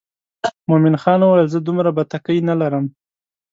مومن خان وویل زه دومره بتکۍ نه لرم.